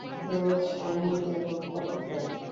রোজ আনিয়ে দেব– কত চাও?